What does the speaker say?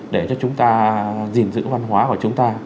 để cho chúng ta gìn giữ văn hóa của chúng ta